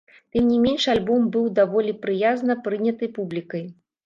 Тым не менш, альбом быў даволі прыязна прыняты публікай.